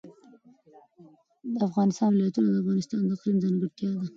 د افغانستان ولايتونه د افغانستان د اقلیم ځانګړتیا ده.